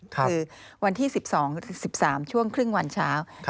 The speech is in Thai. คือวันที่๑๒๑๓ช่วงครึ่งวันเช้า